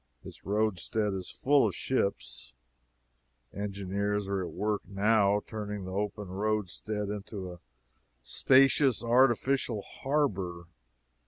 Its roadstead is full of ships. Engineers are at work, now, turning the open roadstead into a spacious artificial harbor.